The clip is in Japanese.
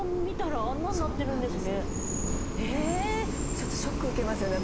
ちょっとショック受けますよね。